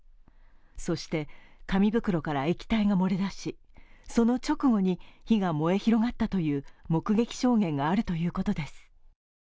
そして、紙袋から液体が漏れだし、その直後に火が燃え広がったという目撃証言があるということです。